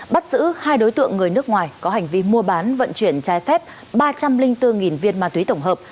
bắt giữ hai đối tượng người nước ngoài có hành vi mua bán vận chuyển trái phép ba trăm linh bốn viên ma túy tổng hợp